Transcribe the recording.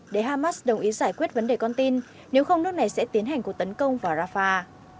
để hamas đồng ý giải quyết vấn đề con tin nếu không nước này sẽ tiến hành cuộc tấn công vào rafah